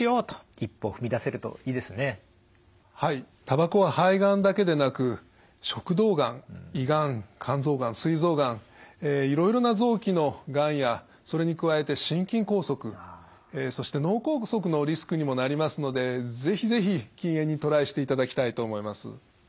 たばこは肺がんだけでなく食道がん胃がん肝臓がんすい臓がんいろいろな臓器のがんやそれに加えて心筋梗塞そして脳梗塞のリスクにもなりますので是非是非禁煙にトライしていただきたいと思います。